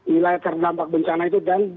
wilayah terdampak bencana itu dan